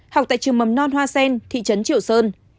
học tại trường mầm non hoa sen thị trấn triệu sơn